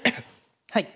はい。